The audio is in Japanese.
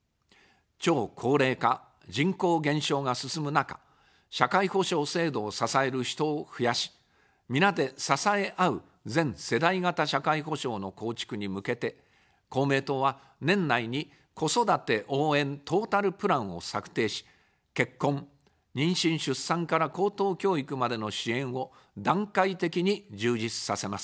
超高齢化・人口減少が進む中、社会保障制度を支える人を増やし、皆で支え合う全世代型社会保障の構築に向けて、公明党は、年内に子育て応援トータルプランを策定し、結婚、妊娠・出産から高等教育までの支援を段階的に充実させます。